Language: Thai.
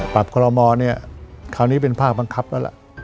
คอลโมเนี่ยคราวนี้เป็นภาคบังคับแล้วล่ะ